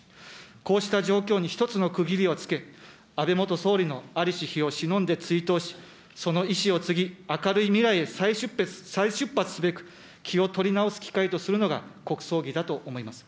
こうした状況に一つの区切りをつけ、安倍元総理のありし日をしのんで追悼し、その遺志を継ぎ、明るい未来へ再出発すべく、気を取り直す機会とするのが、国葬儀だと思います。